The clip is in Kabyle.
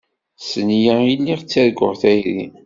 S nneyya i lliɣ ttarguɣ tayri.